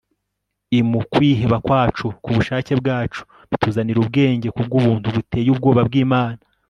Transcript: i mu kwiheba kwacu, ku bushake bwacu, bituzanira ubwenge ku bw'ubuntu buteye ubwoba bw'imana